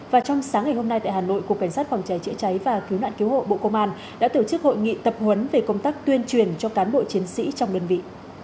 và trong sáng ngày hôm nay tại hà nội cục cảnh sát phòng cháy chữa cháy và cứu nạn cứu hộ bộ công an đã tổ chức hội nghị tập huấn về công tác tuyên truyền cho cán bộ chiến sĩ trong đơn vị